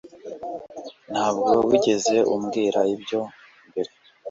Ntabwo wigeze umbwira ibyo mbere